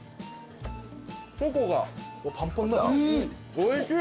おいしい。